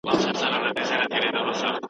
مرغۍ له وېرې نه الوتله.